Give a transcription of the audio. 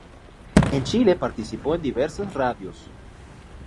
En Chile participó en diversas radios.